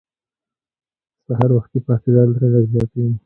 سحر وختي پاڅیدل رزق زیاتوي.